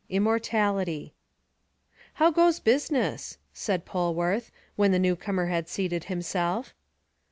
IMMORTALITY. "How goes business?" said Polwarth, when the new comer had seated himself.